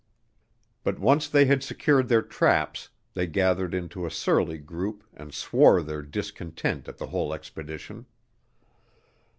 But once they had secured their traps, they gathered into a surly group and swore their discontent at the whole expedition.